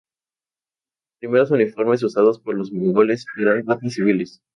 Los primeros uniformes usados por los mongoles eran ropas civiles.